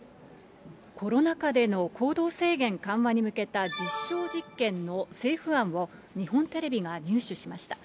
コロナ禍での行動制限緩和に向けた実証実験の政府案を、日本テレビが入手しました。